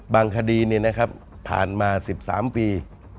คดีผ่านมา๑๓ปี